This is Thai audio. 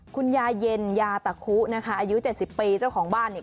คุณยายเย็นยาตะคุนะคะอายุ๗๐ปีเจ้าของบ้านเนี่ย